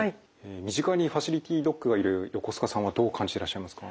身近にファシリティドッグがいる横須賀さんはどう感じてらっしゃいますか？